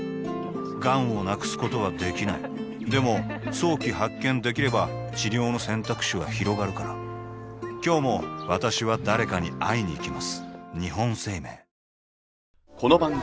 がんを無くすことはできないでも早期発見できれば治療の選択肢はひろがるから今日も私は誰かに会いにいきます